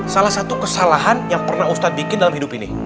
salah satu kesalahan yang pernah ustadz bikin dalam hidup ini